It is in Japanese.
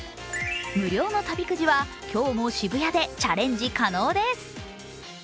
無料の旅くじは今日も渋谷でチャレンジ可能です。